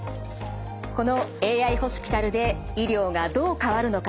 このＡＩホスピタルで医療がどう変わるのか